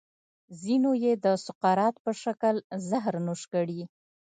ځینو یې د سقراط په شکل زهر نوش کړي.